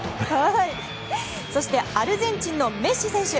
そして、アルゼンチンのメッシ選手。